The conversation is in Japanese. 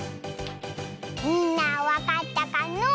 みんなはわかったかのう？